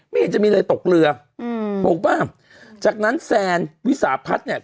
ไม่เห็นจะมีเลยตกเรืออืมถูกป่ะจากนั้นแซนวิสาพัฒน์เนี่ย